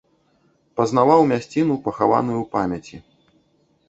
Пазнаваў мясціну, пахаваную ў памяці.